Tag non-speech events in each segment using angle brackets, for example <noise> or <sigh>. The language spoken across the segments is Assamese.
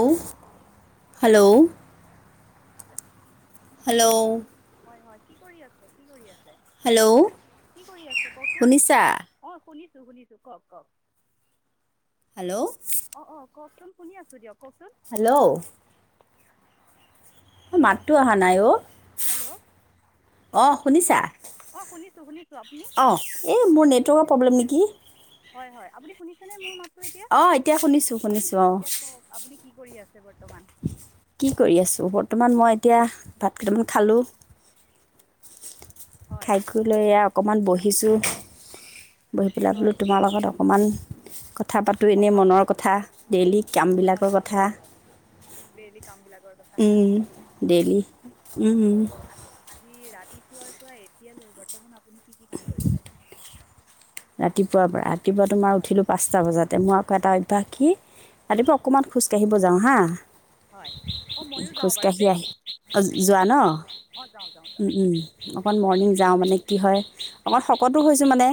আ কচোন হেল্ল' হয় হয় আছে হেল্ল' হয় হয় কি কৰি আছে কি কৰি আছে হেল্ল' কি কৰি আছে কচোন শুনিছা অ শুনি শুনিছো কওক কওক হেল্ল' অ অ কওকচোন শুনি আছো দিয়ক কওকচোন হেল্ল' মাতটো অহা নাই অ হেল্ল' অ শুনিছা অ শুনিছো শুনিছো আপুনি অ এই মোৰ ন কো প্ৰব্লেম নেকি হয় হয় আপুনি শুনিছেনে মোৰ মাতটো আহ এতিয়া শুনিছো শুনিছো আহ এতিয়া কওক আপুনি কি কৰি আছে বৰ্তমান কি কৰি আছো বৰ্তমান মই এতিয়া ভাত কেইটামান খালোঁ হয় খাই লৈ অকণমান বহিছোঁ বহি পেলাই বোলো হয় তোমাৰ লগত অকণমান ক কথা পাতোঁ এনেই কথা মনৰ পাতো কথা ডেইলি কামবিলাকৰ কথা ডেইলি কাম বিলাকৰ কথা উম হয় ডেইলি উম ৰাতিপোৱাৰ পৰা এতিয়াালৈ বৰ্তমান আপুনি কি কি কাম কৰিলে ৰাতিপুৱাৰ পৰা কিবা তোমাৰ হয় উঠিলোঁ পাঁচটা বজাতে মই এটা অভ্যয়াস কি ৰাতিপুৱা অকণমান খোজ কাঢ়িব যাওঁ হা হয় অ ময়ো যাওঁ বাৰু খোজকাাঢ়ি দেই আহি অ যোৱা ৰাতিপুৱা নম অ যাওঁ যাওঁ যাওঁ অকণ আপুনি মৰ্ণিং যাওঁ মানে কি হয় অকণ শকত টো হৈছোঁ মানে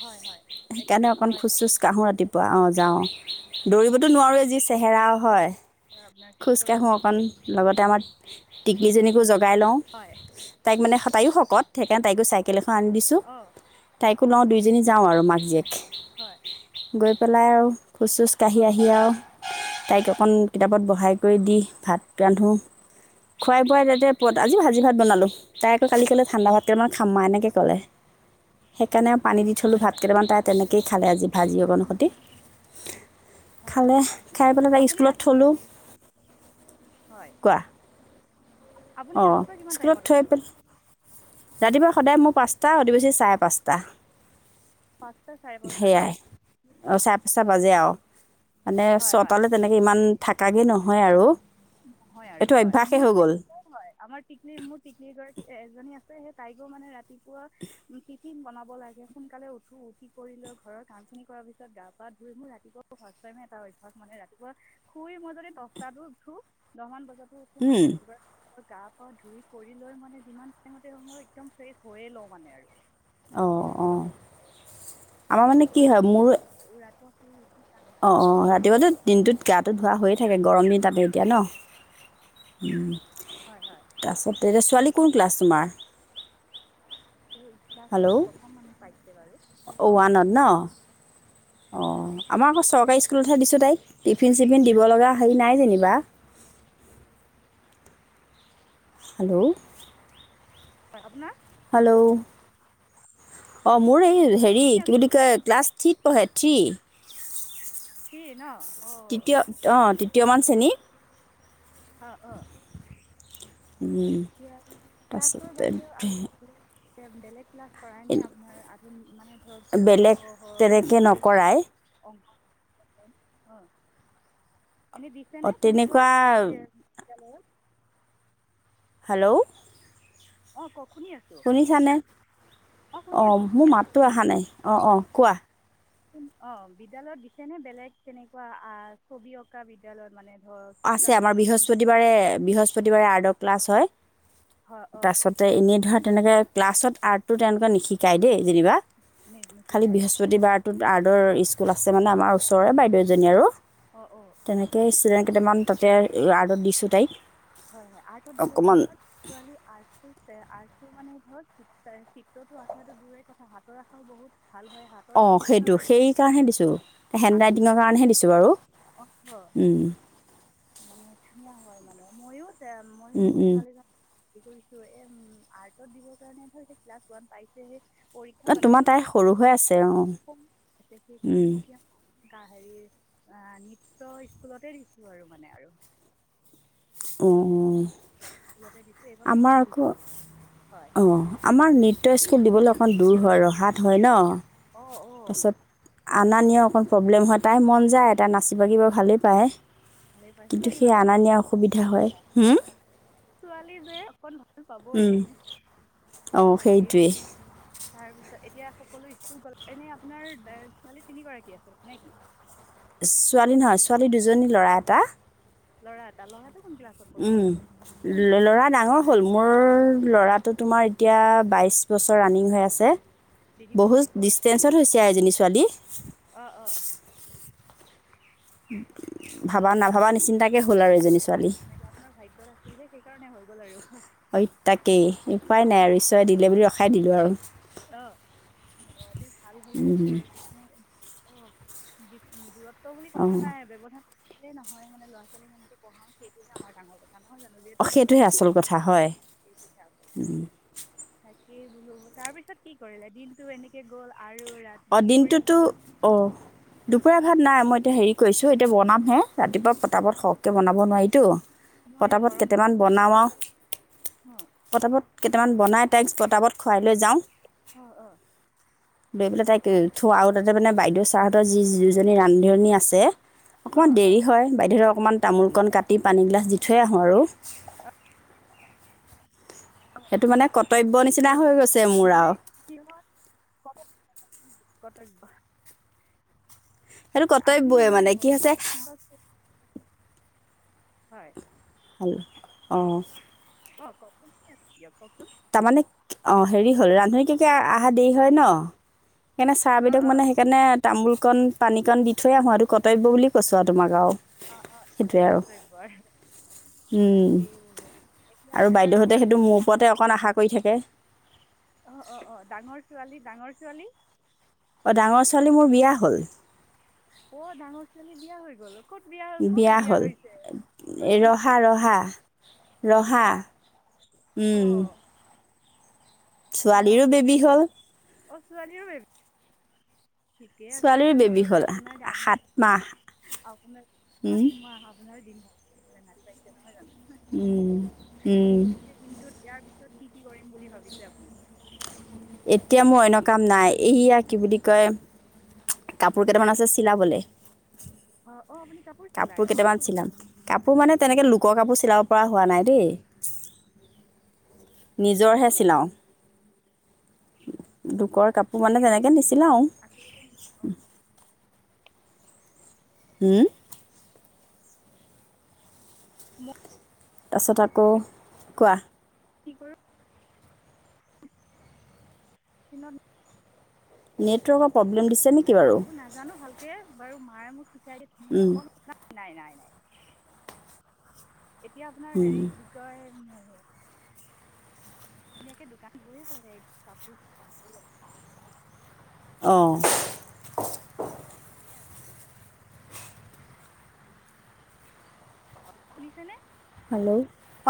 হয় হয় এক্সাৰ অকণ হয় খোজ হয় চোজ কাঢ়োঁ ৰাতিপুৱা অ যাওঁ দৌৰিবতো নোৱাৰোৱেই যি চেহেৰাও হয় আপোনাৰ স্বাস্থ্যৰ খোজকাঢ়োঁ কাৰণে অকণ ভাল লগতে আমাৰ টিকলিজনীকো জগাই লওঁ হয় তাইক মানে তায়ো শকত সেইকাৰণে তাইকো চাই আনি দিছোঁ অঁ তাই লাওঁ দুইজনী যাওঁ আৰু মাক জীয়েক হয় গৈ পেলাই আৰু খোজ চোজ কাঢ়ি হয় আহি আৰু তাইক অকণ কিতাপত বঢ়াই। কৰি দি হয় ভাত ৰান্ধো। খুৱাই হয় আজি ভাজি ভাত হয় বনালো তইটাই কালি ক'লে ঠাণ্ডা ভাতকৈ অমাৰ খামা এনেকৈ ক'লে কেনে। পানী দি থলোঁ হয় ভ হয় কেইটামান তাইনেকৈ দিকেই খালে আজি ভাজি অক সৈতে হয় খালে হয় খাই পেলাই ত আপুনি স্কুলত ৰাতিপুৱা থলোঁ হয়। আপুনি আহ ৰাতিপুৱা কিমান স্কুলত টাইমত থৈ উঠে পেল বাৰু ৰাতিবা সদায় মোৰ পাঁচটা অধ বেছি চাৰে পাঁচটা তা পাঁচটা চাৰে পাঁচটা ন সেইয়াই অ চাৰে পাঁচটা হয় বাজে আৰু মানে হয় হয় ছটাল তেনেকে ইমান থাকে তাগে নহয় আৰু নহয় আৰু এইটো হয় অভ্যাসেই মোৰো হৈ গ'ল তেনেকাই হয় আমাৰ টিকলি মোৰ টিকলি গ এজনী আছে সেই তাইকো মানে ৰাতি কিয় ফিন বনাব। ব লাগে সোনকালে উঠো উ কি কৰি লৈ ঘৰ কাম খিন কৰাৰ পিছত গা পা ধুই মোৰ ৰাতিপুৱা ফাৰ্ষ টাইম এটা অভ্যয়াস মানে ৰাতিপুৱা শুই মই যদি দহটাতো উঠো দহান বজাত। তটো মোৰ লেটেল। গা পা ধুই কৰি লৈ মানে যিমান টাইমতে একদম ফ্ৰেছ হৈয়ে লওঁ মানে আৰু অঁ অঁ আমাৰ মানে কি হয়? মোৰ হয়ঠ অ অ ৰাতিপুৱা দিনটোত গা ধা হৈয়ে থাকে গৰম দিন তাতে এতিয়া ন উম হয় হয় তাৰ পিছত তেতিয়া ছোৱালী কোন ক্লাছ তোমাৰ। এই এই ক্লাছ হেল্ল' ওৱান অঁ প্ৰথম মানুহ পাইছে বাৰু অঁ অঁ অ আমাৰ আকৌ চৰকাৰ বাৰু স্কুলতহে দিছো তাইক। টিফিন চিফিন দিব লগা হেৰি নাই যেনিবা হেল্ল' হয় আপোনাৰ। হেল্ল' অ মোৰ এই হেৰি শুনি কি আছোঁ বুলি দিয়ক কয় ক্লাছ থ্ৰীিত পঢ়ে থ্ৰী থ্ৰী ন অঁ তৃতীয় অঁ তৃতীয়মান চ্ৰেনী আহ অ উম, এয়া তাৰপাছত ক্লাছৰ বাহিৰেও আৰু মানে বেলেগ কৰাই নে আপোনাৰ মানে ধৰক ত বেলেগ তেনেকে নকৰাই অ এনে দিছে নে তেনেকুৱা হেল্ল' অ শুনিছানে অঁ শুনি অ আছোঁ শুনি মোৰ আছোঁ মাতটো অহা নাই অ অ কোৱা অ বিদ্যালয়ত দিছেনে বেলেগ তেনেকুৱা আহ ছবি অঁকা বিদ্যালয়ত মানে ধৰক আছে আমাৰ চিত্ৰাংকন বৃহস্পতিবাৰে বৃহস্পতিবাৰে আৰ্ট ক্লাছ হয় হয় অঁ তাৰছতে এনেই ধৰা তেনেকে ক্লাছত আৰ্টটো তেওঁলোকে নিশিকায় দেই যেনিবা খালি নিশিকায় অঁ বৃহস্পতি বাৰ টোত আৰ্টৰ ইচ স্কুল আছে মানে আমাৰ ওচৰৰে বাইউেও এজনী আৰু অঁ অঁ তেনেকেই কেইটামান তাতে আৰ্টত দিছোঁ তাইক হয় হয় আৰ্টত দিলে কি অকণমান হয় ছোৱালী আৰ্ট টো চে আৰ্ট টো মানে চিত্ৰ টো অঁকাটো দূৰৰেই কথা হাতৰ আখৰও বহুত ভাল হয় হাতৰ অঁ স্থিৰতা সেইটো বাঢ়ে সেইকাৰণেহে দিছোঁ আখৰটো হেণ্ডৰাইটিঙৰ ভাল কাৰণেহে দিছোঁ বাৰু অঁ হয় মানে ধুনীয়া হয় মানে ময়ো তে ময়ো মোৰ ছোৱালী যান কি কৰিছো এ উম আৰ্টত দিবৰ কাৰণে ধৰা এতিয়া ক্লাছ ওৱান পাইছেহে পৰীক্ষা অঁ তোমাৰ পাতিলেও তাই দিব সৰু হৈ আছে অঁ ক সেইকাৰণে এতিয়া হেৰি অ নৃত্য স্কুলতে দিছো আৰু মানে আৰু অঁ লতে দি আমাৰ আকৌ অ আমাৰ নিত স্কুল দিবলৈ অকণ দূৰ হয় ৰহাত হয় ন অঁ অঁ তাৰপিছত অনা নিয়ে অকণ প্ৰব্লেম হয় তাই মন যায় তটা নাচি বাগিব বাৰ ভালেই পায় ভালেই কিন্তু সেই পাইছোঁ অনা নিয়া অসুবিধা হয় ছোৱালী যে অকণ ভাল পাবই অঁ তাকেই সেইটোৱেই তাৰ পিছত এতিয়া সকলো স্কুল গলে এনে আপোনাৰ ছোৱালী তিনিগৰাকী আছিলে নে কি? ছোৱালী নহয় ছোৱালী দুজনী ল'ৰা এটা ল'ৰা এটা লহ উম ল'ৰা ডাঙৰ হ'ল মোৰ ল'ৰা ততো তোমাৰ এতিয়া বাইশ বছৰ ৰানিং হৈ আছে। ডিগ্ৰী বহুত কমপ্লিট কৰি ডিষ্টেঞ্চত হৈছে এজনী ছোৱালী অঁ অঁ উম থাকাৰ এজনী ছোৱালী মে আপোনাৰ ভাদ্যয়ত আছিল যে সেইকাৰণে হয় হয়' আৰু হয় তাকেই উপায় নাই আৰু ঈশ্চৰে দিলে বুলি ৰখা খাই দিলোঁ আৰু অ অ দি ভাল হলেই হ'ল আৰু দি পিনে অ দূৰত বুলি কথা আৰু নাই ব্যৱধান। এ নহয় মানে'ৰা ছোৱালী যেনেক পঢ়াও সেইটোহে আমাৰ ডাঙৰ কথা নহয় জানো যিহেতু অঁ আমি সেইটোহে জন্ম দি আচল দিছে কথা হয় সেইটোহে আকৌ থ কি বোলো। তাৰ পিছত কি কৰিলে দিনটো এনেকে গ'ল আৰু ৰাতি অ দুপৰীয়া ভাত দিনটোতো খালে অ দু কুকুৰা ভাতাইই এয়া হেৰি কৰিছোঁ এতিয়া বনামহে ৰাতিপুৱা অ, পতাপত সহকে বনাব নোৱাৰি টো নোৱাৰি প্ৰতাপত গৰম কেইটামান বনাওঁ আৰু অঁ প্ৰতাপত কেইটামাননাই তাইক বটাবত খুৱাই লৈ যাওঁ অ অ বেবিলে তাই। থো আৰু তাতে মানে বাইদেউ চাহহঁতৰ যি যজনী ৰান্ধী আছে অঁ অকণমান দেৰি অঁ হয় বাইদেউৰ অকণমান তামোল কণ কাটি পানীগিলাছ দি থৈ আহোঁ আৰু। অ', সেইটো মানে কৰ্তব্য নিচিনা তাকেই হৈ বোলো, গৈছে মোৰ মানে আৰু কিহত কৰ্তব্য সেইটো আপুনি কৰ্তব্যই এনে মানে কি হৈছে কিহত হয়। হেল্ল, অ। অ', কক দিয়ক অ', কক চুন? তাৰমানে অ', হেৰি হ'ল ৰান্ধনী কেকে আহা দেৰি হয় ন? সেইকাৰণে চাৰ অঁ বেদক অঁ মানে সেইকাৰণে তামুল অকণ পানীকণ দি থৈ আহোঁ আৰুটো কৰ্তব্য বুলি কৈছো আৰু তোমাক আৰু। অ, অ, অ, সেইটোৱে আৰু কত্যাৰ তাকেই বলো এতিয়া আৰু আপোনাৰ বাইদেউহঁতে হেৰি সেইটো অ, মোৰ অ, ওপৰতে অকণ আশা কৰি থাকে অ, ডাঙৰ ছোৱালী ডাঙৰ ছোৱালী? অ', ডাঙৰ ছোৱালী মোৰ বিয়া হ'ল। অ', ডাঙৰ ছোৱালী বিয়া হৈ গ'ল? ক'ত ক'ত বিয়া হ'ল, হৈছে তই কোন ৰহা, ঠাই ৰহা, ৰহা, অ উম। এতিয়া ছোৱালীৰো অ বেবী হ'ল। ছোৱালীৰো বেবী ঠিকেই আছে ছোৱালীৰো দিয়ক বেবী নহলে হ'ল আপোনাৰ আপোনাৰ সাত মাহ আপোনাৰ সাত মাহ আপোনাৰ দিন। নেনাৰি পাইছে নহয় জানো উম, উম। এই দিনটোত ইয়াৰ পিছত কি কি কৰিম বুলি ভাবিছে আপুনি? এতিয়া মোৰ অন্য কাম নাই। এইয়া কি বুলি কয়, কাপোৰ কেইটামান আছে চিলাবলৈ। অ অ আপুনি চিলাই কাপোৰ অ কেইটামান চিলাম। কাপোৰ মানে তেনেক লোকৰ কাপোৰ চি চিলাব পৰা হোৱা নাই দেই। <inaudible> অ নিজৰহে চিলাওঁ। লোকৰ কাপোৰ মানে খালি তেনেকৈ নিজৰ নিচিলাওঁ <unintelligible> হুম। হয় মই তাৰপিছত আকৌ কোৱা। কি কৰ দিনত নেটৱৰ্কৰ প্ৰব্লেম দিছে নেকি বাৰু <unintelligible> নাজানো ভালকে, বাৰু মায়ে মোক শিকাই দিয়ে ধুনীয়াকে, <unintelligible> নাই নাই। নাই এতিয়া আপোনাৰ হেৰি কি কয় ধুনীয়াকে দোকান <unintelligible> পাৰে একদম কাপোৰ চিলাই কৰি <unintelligible> অঁ। এ দিয়ে আছে। শুনিছেনে? হেল্ল'!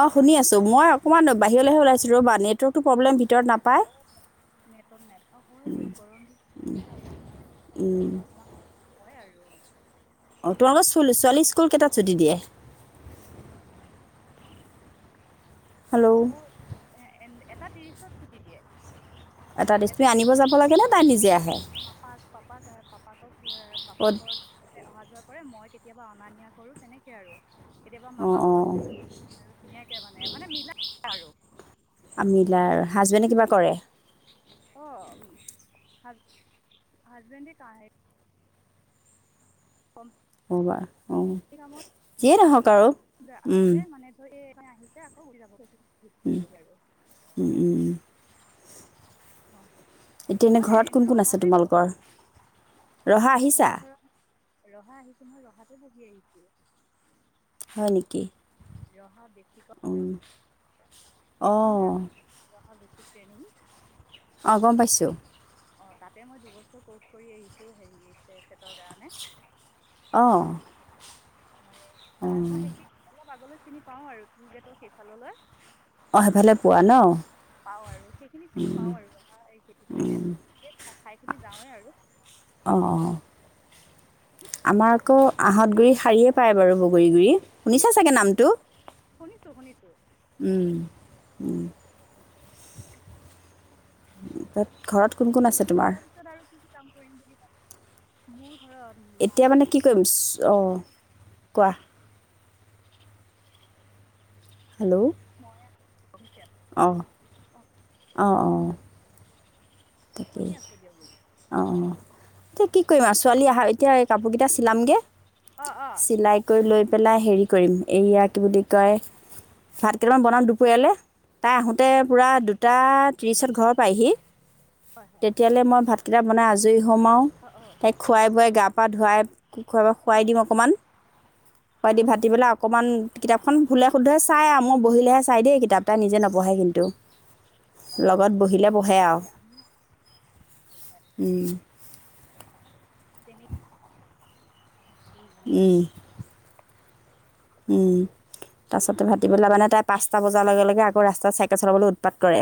অ শুনি আছো অ মই অকমান বাহিৰলৈহে ওলাইছো ৰ'বা নেট <unintelligible> প্ৰবলেম <unintelligible> <inaudible> মানে অ তোমালোকৰ ছুল - ছোৱালী স্কুল কেইটাত ছুটি দিয়ে? হেল্ল' মোৰ <unintelligible> টা তিৰিছত ছুটি দিয়ে। এটা তুমি আনিব যাব লাগেনে তাই নিজে আহে <inaudible> অঁ কৰে মই কেতিয়াবা অনা নিয়া কৰো তেনেকে আৰু। কেতিয়াবা অঁ মামাকৰ অঁ লগতো আৰু ধুনীয়াকে মানে, মানে মিলা <inaudible> আমিলাৰ হাজবেণ্ডে কিবা কৰে? অ হাজ - হাজবেন্দে <unintelligible> <unintelligible> অঁ, এই কামত যিয়েই নহওক আৰু। আছিলে মানে ধৰি <unintelligible> আহিছে আকৌ ঘূৰি যাব <unintelligible> উম, আৰু উম উম উম। <unintelligible> এতিয়া এনেই মই ঘৰত কোন কোন আছে ৰহালৈ গৈ তোমালোকৰ? মোৰ ৰহা আহিছা? মানুহজনৰ ঘৰত ৰহা আহিছো মই ৰহাতে বহি আহিছো। হয় নেকি? <unintelligible> এইখন যে অঁ <unintelligible> <unintelligible> অঁ গম পাইছোঁ। অ তাতে মই দু বছৰ কৰ্চ কৰি আহিছো হেৰি চেটৰ ঠেটৰ কাৰণে। অঁ। মই, অঁ তাৰ মই সেই - সেই অলপ আগলৈ চিনি পাও আৰু টোলগেটৰ সেইফাললৈ অঁ সেইফালে পোৱা ন অঁ পাওঁ আৰু সেইখিনি চিনি পাও আৰু সেইটো চাইডে খাই পিনি যাওঁৱে আৰু অঁ আমাৰ আকৌ আহঁত গুৰি শাৰীয়ে পায় বাৰু বগৰী গুৰি শুনিছা চাগে নামটো। শুনিছো শুনিছো। উম তাত ঘৰত কোন কোন সেইবল আছে তোমাৰ হোৱাৰ পিছত আৰু কি কি কাম কৰিম বুলি ভাব মই এতিয়া মানে কি কৰিম অ কোৱা হেল্ল' মই শুনিছে আহঁ অঁ অঁ তাকেই শুনি আছোঁ দিয়ক বোলো অ এয়া কি কৰিম হয় আৰু হয় ছোৱালী আহা এতিয়া এই কাপোৰ কেইটা এতিয়া চিলাম গৈ অঁ অঁ চিলাই কৈ লৈ পেলাই হেৰি কৰিম এইয়া কি বুলি কয় ভাত কেইটামান বনাম দুপৰীয়ালৈ তাই আহোঁতে পূৰা দুটা ত্ৰিশত ঘৰ পায়হি হয় হয় তেতিয়ালৈ মই ভাত। কিতাপ বনাই আজৰি সোমাও অঁ অঁ তাইক খুৱাই বুৱাই গা পা ধোৱাই খ খোৱাই হয় দিও হয় অকণমান। কাই দি ভাত টি পেলাক। অকণমান হয় কিতাপখন হয় ভুলে সুধে চাই আৰু মই বহিলেহে চাই দেই কিতাপ এটা নিজে নপঢ়ে কিন্তু। অঁ লগত চাকৰি বহিলে সৰু বহে ল'ৰা আৰু ছোৱালী আমিও উম তেনে ত কি বোলে। উম তাৰ পাছতে ভতিবলৈ মানে তাই পাঁচটা বজাৰ লগে লগে আকৌ ৰাস্তাত চাইকেল চলাবলৈ উৎপাত কৰে।